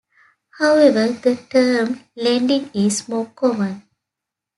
However the term "lending" is more common.